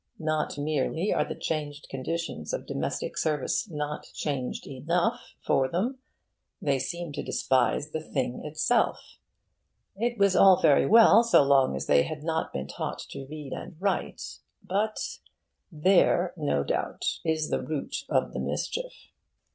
Not merely are the changed conditions of domestic service not changed enough for them: they seem to despise the thing itself. It was all very well so long as they had not been taught to read and write, but There, no doubt, is the root of the mischief.